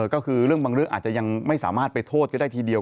ก็คือเรื่องบางเรื่องอาจจะยังไม่สามารถไปโทษก็ได้ทีเดียว